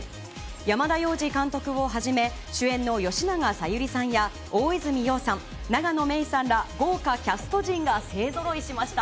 山田洋次監督をはじめ、主演の吉永小百合さんや大泉洋さん、永野芽郁さんら豪華キャスト陣が勢ぞろいしました。